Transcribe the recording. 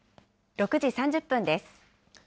６時３０分です。